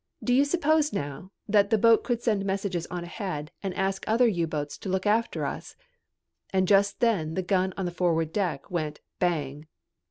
Do you suppose now that boat could send messages on ahead and ask other U boats to look after us?" And just then the gun on the forward deck went "Bang."